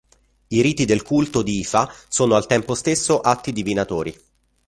I riti del culto di Ifa sono al tempo stesso atti divinatori.